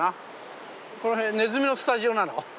この辺ネズミのスタジオなの。